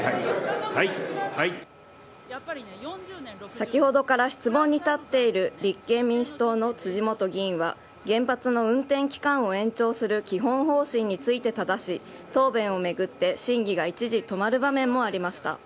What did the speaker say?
先ほどから質問に立っている立憲民主党の辻元議員は原発の運転期間を延長する基本方針についてただし答弁を巡って審議が一時止まる場面もありました。